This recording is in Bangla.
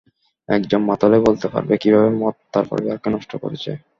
একজন মাতালই বলতে পারবে কীভাবে মদ তার পরিবারকে নষ্ট করেছে।